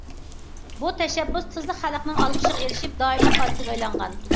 بۇ تەشەببۇس تېزلا خەلقنىڭ ئالقىشىغا ئېرىشىپ، دائىملىق ئادىتىگە ئايلانغان.